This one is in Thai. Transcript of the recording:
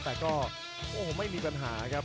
แต่ก็ไม่มีปัญหาครับ